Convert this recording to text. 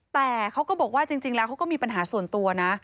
แต่เขาก็บอกว่าจริงแล้วเขาก็มีปัญหาส่วนตัวนะ